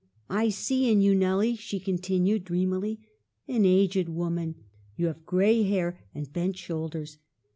"' I see in you, Nelly,' she continued, dream ily, ' an aged woman : you have gray hair and bent shoulders.